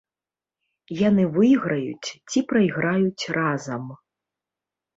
Яны выйграюць ці прайграюць разам.